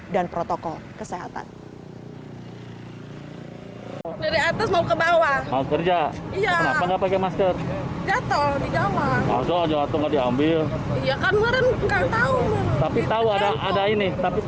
dan protokol kesehatan